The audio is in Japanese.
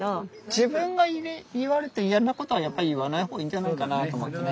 自分が言われて嫌なことはやっぱり言わない方がいいんじゃないかなと思ってね。